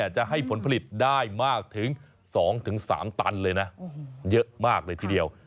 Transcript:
จะให้ผลผลิตได้มากถึง๒๓ตันเลยนะเยอะมากเลยทีเดียว